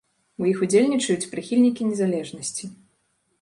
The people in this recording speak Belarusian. У іх удзельнічаюць прыхільнікі незалежнасці.